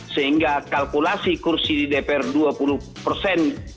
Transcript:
sehingga kalkulasi kursi di dpr dua puluh persen